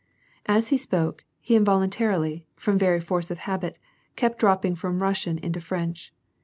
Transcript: As he spoke, he involuntarily, from very force of habit, kept dropping from Kussian into French.